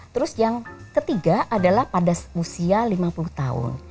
terus yang ketiga adalah pada usia lima puluh tahun